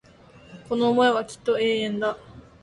この思いはきっと永遠だ